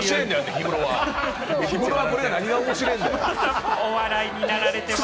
氷室は、それは何が面白いんだ！